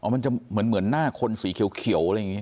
มันจะเหมือนหน้าคนสีเขียวอะไรอย่างนี้